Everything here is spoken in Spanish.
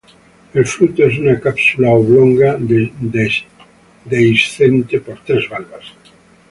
El fruto es una cápsula oblonga, dehiscente por tres valvas.